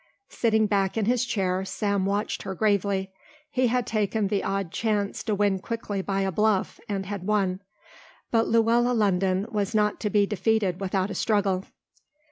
Sitting back in his chair Sam watched her gravely. He had taken the odd chance to win quickly by a bluff and had won. But Luella London was not to be defeated without a struggle.